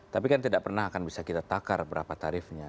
tapi kan tidak pernah akan bisa kita takar berapa tarifnya